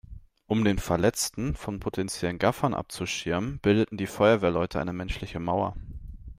Um den Verletzten von potenziellen Gaffern abzuschirmen, bildeten die Feuerwehrleute eine menschliche Mauer.